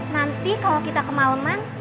nanti kalau kita ke malem ya